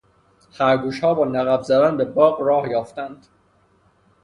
خرگوشها با نقب زدن به باغ راه یافتند.